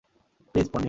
Please, Ponni.